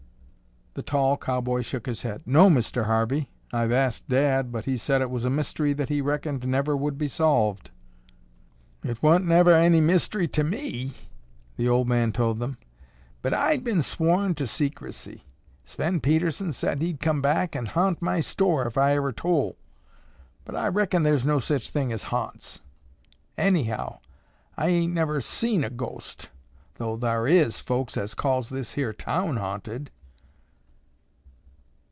The tall cowboy shook his head. "No, Mr. Harvey. I've asked Dad but he said it was a mystery that he reckoned never would be solved." "It wa'n't never any mystery to me," the old man told them, "but I'd been swore to secrecy. Sven Pedersen said he'd come back an' hant my store if I ever tol', but I reckon thar's no sech thing as hants. Anyhow I ain't never seen a ghost, though thar is folks as calls this here town hanted."